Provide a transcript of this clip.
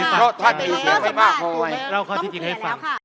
ประชาชนฝั่งถูกรวม